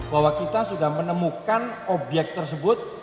bahwa kita sudah menemukan obyek tersebut